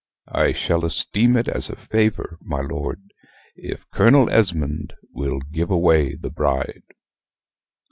I shall esteem it as a favor, my lord, if Colonel Esmond will give away the bride."